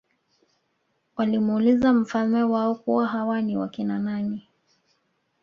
walimuuliza mfalme wao kuwa hawa ni wakina nani